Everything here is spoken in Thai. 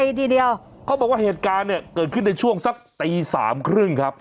ทีเดียวเขาบอกว่าเหตุการณ์เนี่ยเกิดขึ้นในช่วงสักตีสามครึ่งครับ